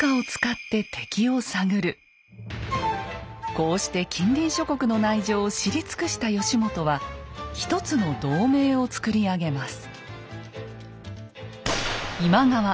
こうして近隣諸国の内情を知り尽くした義元は一つの同盟を作り上げます。